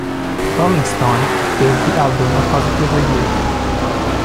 "Rolling Stone" gave the album a positive review.